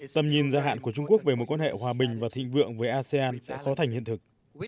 tầm nhìn gia hạn của trung quốc về mối quan hệ hòa bình và thịnh vượng với asean sẽ khó thành hiện thực